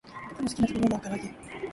ぼくのすきなたべものはからあげだ